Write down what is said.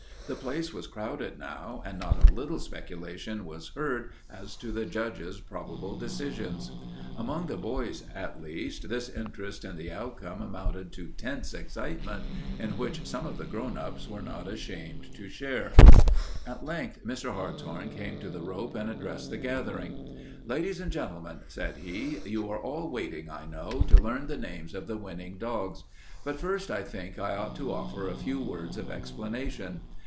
The place was crowded now, and not a little speculation was heard as to the judge's probable decisions. Among the boys, at least, this interest in the outcome amounted to tense excitement, in which some of the grown ups were not ashamed to share. At length Mr. Hartshorn came to the rope and addressed the gathering. "Ladies and gentlemen," said he: "you are all waiting, I know, to learn the names of the winning dogs, but first I think I ought to offer a few words of explanation.